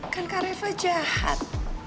kan kak reva jahat